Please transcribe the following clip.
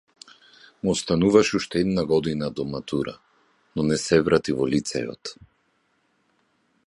Му остануваше уште една година до матурата, но не се врати во лицејот.